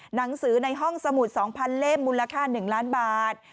หนังสือในห้องสมุด๒๐๐เล่มมูลค่า๑ล้านบาท